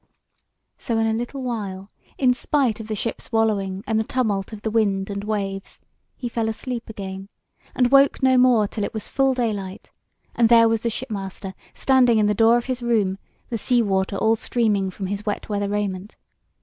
So in a little while, in spite of the ship's wallowing and the tumult of the wind and waves, he fell asleep again, and woke no more till it was full daylight, and there was the shipmaster standing in the door of his room, the sea water all streaming from his wet weather raiment.